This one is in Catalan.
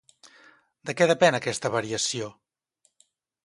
De què depèn aquesta variació?